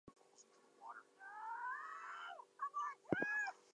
Ricci Curbastro received many honours for his contributions.